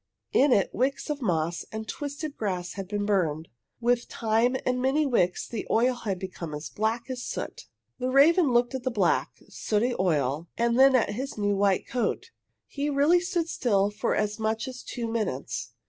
In it wicks of moss and twisted grass had been burned. With time and many wicks the oil had become as black as soot. The raven looked at the black, sooty oil and then at his new white coat. He really stood still for as much as two minutes.